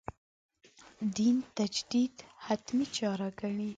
دین تجدید «حتمي» چاره ګڼي.